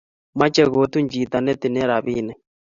Mache kotun chito ne tinye rabinik